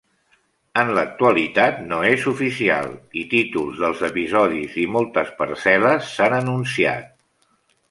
En l'actualitat, no és oficial i títols dels episodis i moltes parcel·les s'han anunciat.